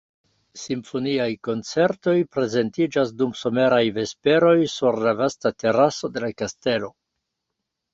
Simfoniaj koncertoj prezentiĝas dum someraj vesperoj sur la vasta teraso de la kastelo.